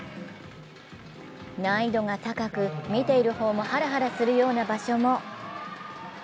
難易度が高く、見ている方もハラハラするような場所も。